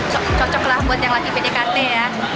jadi cocoklah buat yang lagi pdkt ya